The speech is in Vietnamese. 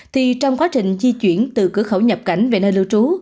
thì trong quá trình di chuyển từ cửa khẩu nhập cảnh về nơi lưu trú